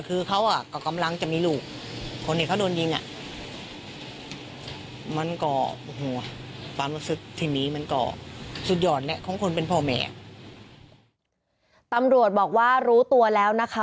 ซึ่งจังหวะที่ไปที่ฝั่งแขนกออกตอนนี้อาการปลอดภัยแล้วนะคะ